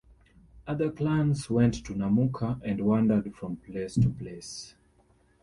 Other clans went to Namuka and wandered from place to place.